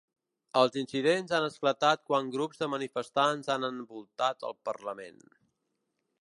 Els incidents han esclatat quan grups de manifestants han envoltat el parlament.